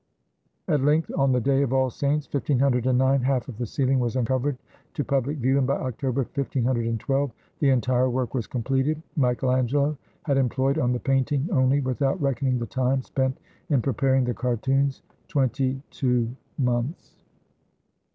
At length, on the day of All Saints, 1509, half of the ceiling was uncovered to public view, and by October, 151 2, the entire work was completed. Michael Angelo had em ployed on the painting only, without reckoning the time spent in preparing the cartoons, twenty two months.